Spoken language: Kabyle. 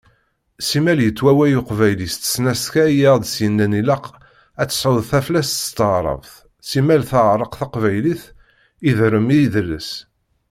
Simmal yettwaway uqbayli s tesnakta i as-d-yennan ilaq ad tesɛuḍ taflest s teɛrabt, simmal tɛerreq teqbaylit, iderrem yidles.